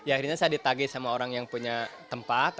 akhirnya saya ditagih sama orang yang punya tempat